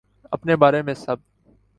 اپنے بارے میں سب